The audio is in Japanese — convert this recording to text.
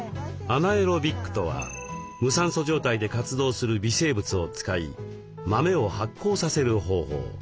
アナエロビックとは無酸素状態で活動する微生物を使い豆を発酵させる方法。